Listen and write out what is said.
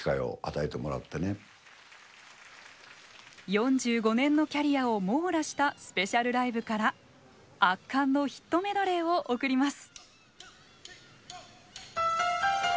４５年のキャリアを網羅したスペシャルライブから圧巻のヒットメドレーを送ります。